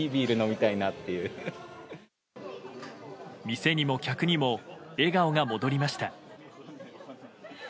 店にも客にも笑顔が戻りました。